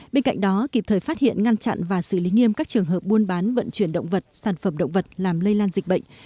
bên cạnh đó kịp thời phát hiện ngăn chặn và xử lý nghiêm các trường hợp buôn bán vận chuyển động vật sản phẩm động vật làm lây lan dịch bệnh